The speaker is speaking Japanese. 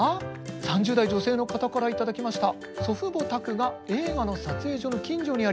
３０代女性の方から頂きました。